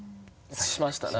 しましたね。